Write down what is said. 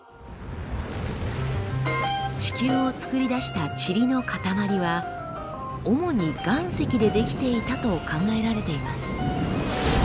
地球をつくり出したチリのかたまりは主に岩石で出来ていたと考えられています。